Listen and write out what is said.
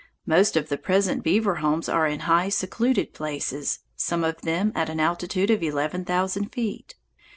Most of the present beaver homes are in high, secluded places, some of them at an altitude of eleven thousand feet.